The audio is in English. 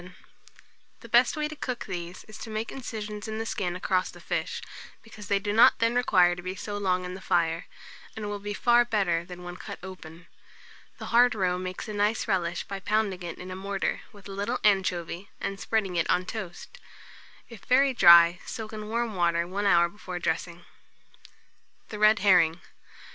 The best way to cook these is to make incisions in the skin across the fish, because they do not then require to be so long on the fire, and will be far better than when cut open. The hard roe makes a nice relish by pounding it in a mortar, with a little anchovy, and spreading it on toast. If very dry, soak in warm water 1 hour before dressing. THE RED HERRING.